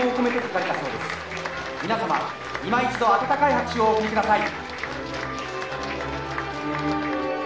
皆さまいま一度温かい拍手をお送りください」